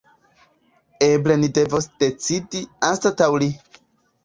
Eble ni devos decidi anstataŭ li.